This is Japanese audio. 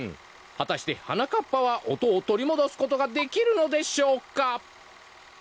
はたして「はなかっぱ」は音をとりもどすことができるのでしょうか！？